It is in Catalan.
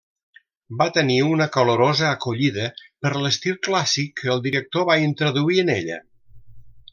Va tenir una calorosa acollida, per l'estil clàssic que el director va introduir en ella.